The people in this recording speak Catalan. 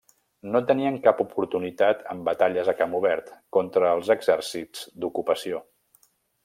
No tenien cap oportunitat en batalles a camp obert contra els exèrcits d'ocupació.